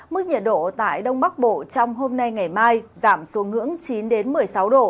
mức nhiệt độ tại đông bắc bộ trong hôm nay ngày mai giảm xuống ngưỡng chín một mươi sáu độ